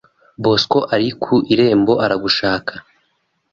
“Bosco ari ku irembo aragushaka.”